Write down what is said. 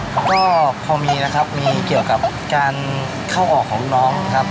เขาก็พอมีนะครับมีเกี่ยวกับการเข้าออกของน้องครับ